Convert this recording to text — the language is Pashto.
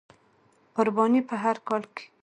قرباني په هر کال،